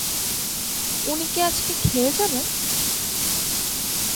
উনি কি আজকে খেয়ে যাবেন?